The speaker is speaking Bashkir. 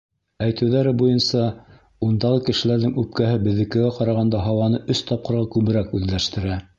Әйтеүҙәре буйынса, ундағы кешеләрҙең үпкәһе беҙҙекегә ҡарағанда һауаны өс тапҡырға күберәк үҙләштерә.